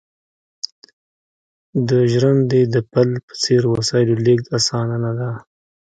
د ژرندې د پل په څېر وسایلو لېږد اسانه خبره نه ده